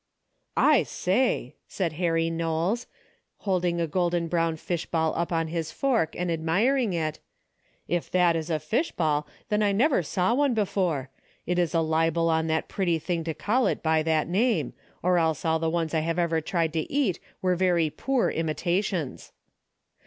"I say," said Harry Knowles, holding a golden brown fish ball up on his fork and ad miring it, " if that is a fish ball, then I never saw one before. It is a libel on that pretty thing to call it by that name, or else all the ones I ever tried to eat were very poor imita tions."